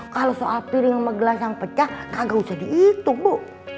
kalau soal piring gelas yang pecah nggak usah dihitung bu